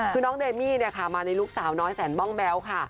คือน้องเดมี่มาในลูกสาวน้อยแสนบ้องแบ๊วค่ะ